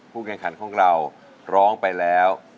ผู้เกี่ยงขันของเราร้องไปแล้ว